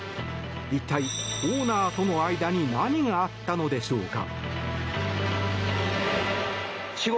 一体、オーナーとの間に何があったのでしょうか。